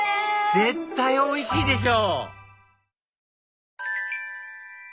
絶対おいしいでしょ！